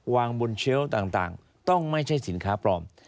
วางบนเชลล์ต่างต้องไม่ใช่สินค้าปลอม